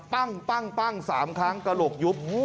ปั้ง๓ครั้งกระโหลกยุบ